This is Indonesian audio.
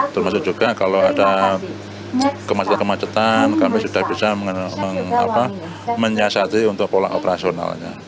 termasuk juga kalau ada kemacetan kemacetan kami sudah bisa menyiasati untuk pola operasionalnya